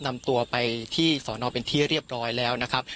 นำตัวไปที่สอนอเป็นที่เรียบร้อยแล้วนะครับ